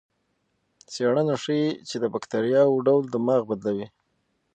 څېړنه ښيي چې د بکتریاوو ډول دماغ بدلوي.